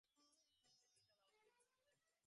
গুলি চালাও, সিক্স।